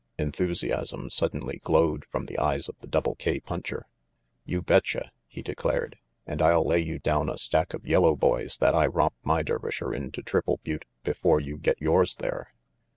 Enthusiasm suddenly glowed from the eyes of the Double K puncher. "You betcha," he declared, "and I'll lay you down a stack of yellow boys that I romp my Dervisher into Triple Butte before you get yours there.